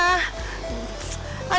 saya kejepetan bu